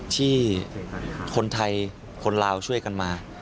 ที่คนไทยคนลาวช่วยกันมา